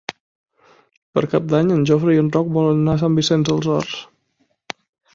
Per Cap d'Any en Jofre i en Roc volen anar a Sant Vicenç dels Horts.